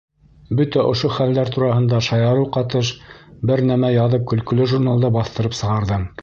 Бөтә ошо хәлдәр тураһында шаярыу ҡатыш бер нәмә яҙып, көлкөлө журналда баҫтырып сығарҙым.